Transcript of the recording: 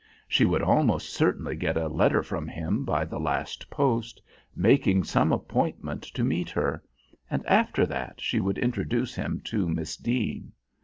She would almost certainly get a letter from him by the last post, making some appointment to meet her, and after that she would introduce him to Miss Deane.